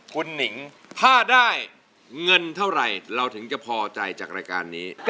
คุณหนิงถ้าได้เงินเท่าไหร่เราถึงจะพอใจจากรายการนี้